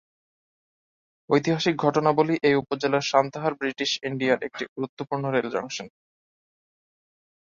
ঐতিহাসিক ঘটনাবলি এ উপজেলার সান্তাহার বৃটিশ ইন্ডিয়ার একটি গুরুত্বপূর্ণ রেলজংশন।